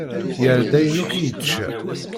Yerra-d ayen akk i yečča.